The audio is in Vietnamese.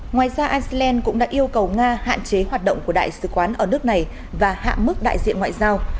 ngoài ra iceland cũng đã yêu cầu nga hạn chế hoạt động của đại sứ quán ở nước này và hạ mức đại diện ngoại giao